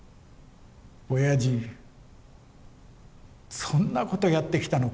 おやじそんなことやってきたのか。